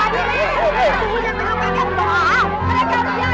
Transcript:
berhentas minta komponi